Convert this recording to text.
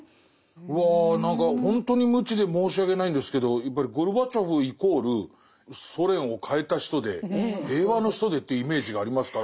うわ何かほんとに無知で申し訳ないんですけどやっぱりゴルバチョフイコールソ連を変えた人で平和の人でというイメージがありますから。